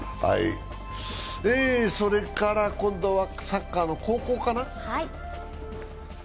それから今度はサッカーの高校かな？